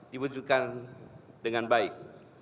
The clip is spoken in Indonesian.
diwujudkan dengan baik